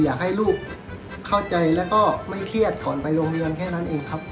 อยากให้ลูกเข้าใจแล้วก็ไม่เครียดก่อนไปโรงเรียนแค่นั้นเองครับ